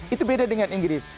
itu beda dengan inggris